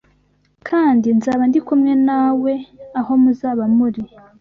kandi nzaba ndi kumwe nawe aho muzaba muri